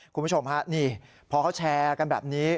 คุณผู้ชมฮะนี่พอเขาแชร์กันแบบนี้